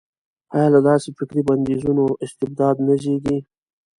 ایا له داسې فکري بندیزونو استبداد نه زېږي.